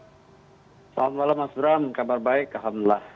selamat malam mas bram kabar baik alhamdulillah